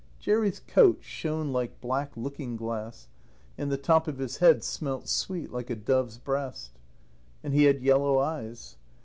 Jerry's coat shone like black looking glass, and the top of his head smelt sweet, like a dove's breast. And he had yellow eyes.